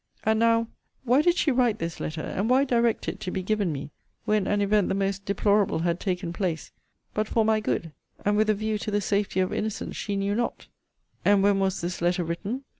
And now, why did she write this letter, and why direct it to be given me when an event the most deplorable had taken place, but for my good, and with a view to the safety of innocents she knew not? And when was this letter written?